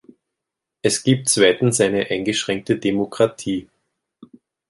Es gibt zweitens eine eingeschränkte Demokratie.